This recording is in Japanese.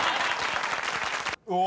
うわ！